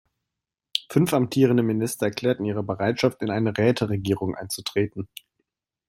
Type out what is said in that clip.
Fünf amtierende Minister erklärten ihre Bereitschaft, in eine Räteregierung einzutreten.